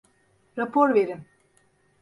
Rapor verin.